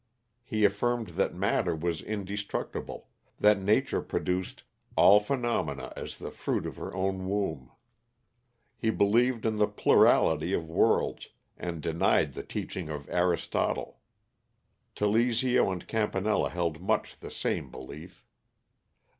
He affirmed that matter was indestructible; that nature produced "all phГҰnomena as the fruit of her own womb." He believed in the plurality of worlds, and denied the teachings of Aristotle. Telesio and Campanella held much the same belief.